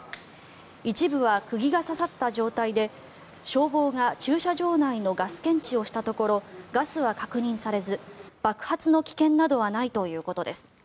一部は釘が刺さった状態で消防が駐車場内のガス検知をしたところガスは確認されず爆発の危険などはないということです。